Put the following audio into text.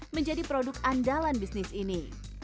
menjadi produk andalan bisnis ini